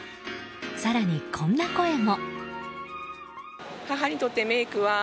更に、こんな声も。